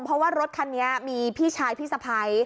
เพราะว่ารถคันนี้มีพี่ชายพี่สะพ้าย